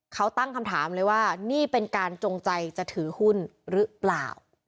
เขาตั้งคำถามเลยว่านี่เป็นการจงใจจะถือหุ้นหรือเปล่า